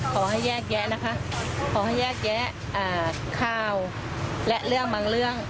ขอให้แยกแยะนะคะขอให้แยกแยะข่าวและเรื่องบางเรื่อง